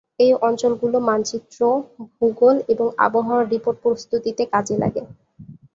এই অঞ্চলগুলো মানচিত্র, ভূগোল এবং আবহাওয়ার রিপোর্ট প্রস্তুতিতে কাজে লাগে।